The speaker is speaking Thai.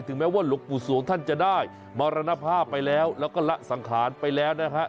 แม้ว่าหลวงปู่สวงท่านจะได้มรณภาพไปแล้วแล้วก็ละสังขารไปแล้วนะฮะ